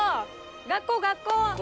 学校学校！